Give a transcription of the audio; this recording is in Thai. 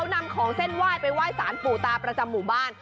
นำของเส้นไหว้ไปไหว้สารปู่ตาประจำหมู่บ้าน